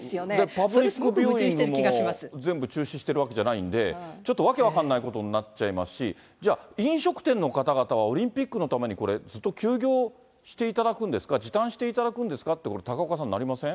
パブリックビューイングも全部中止してるわけじゃないんで、ちょっとわけ分からないことになっちゃいますし、じゃあ、飲食店の方々はオリンピックのためにこれ、休業していただくんですか、時短していただくんですかって高岡さん、なりません？